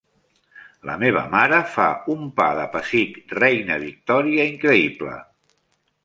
La meva mare fa un pa de pessic Reina Victòria increïble.